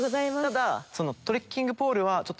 ただ。